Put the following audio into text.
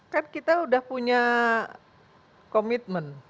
kan kita sudah punya komitmen